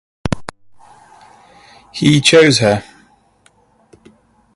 He chose her.